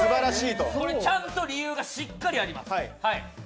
これ、ちゃんと理由がしっかりあります。